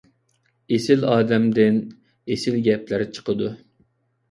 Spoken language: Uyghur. ئېسىل ئادەمدىن ئېسىل گەپلەر چىقىدۇ.